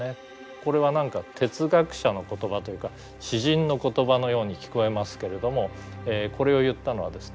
これは何か哲学者の言葉というか詩人の言葉のように聞こえますけれどもこれを言ったのはですね